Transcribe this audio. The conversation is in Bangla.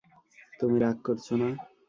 তুমি রাগ করছ না।